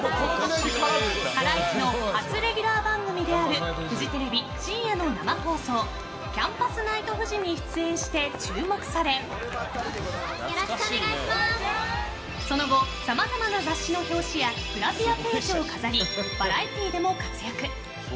ハライチの初レギュラー番組であるフジテレビ深夜の生放送「キャンパスナイトフジ」に出演して注目されその後、さまざまな雑誌の表紙やグラビアページを飾りバラエティーでも活躍。